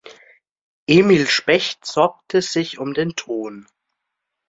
Emil Specht sorgte sich um den Ton.